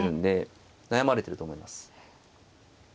悩まれてると思います。